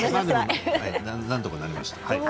なんとかなりました。